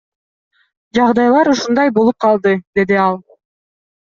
Жагдайлар ушундай болуп калды, — деди ал.